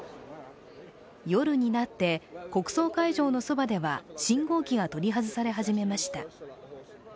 夜になって国葬会場のそばでは、信号機が取り外され始めました。